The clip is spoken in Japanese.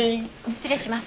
失礼します。